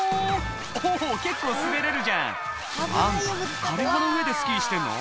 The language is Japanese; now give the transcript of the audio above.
「おぉ結構滑れるじゃん」あんた枯れ葉の上でスキーしてんの？